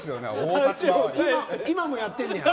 今もやってんねや。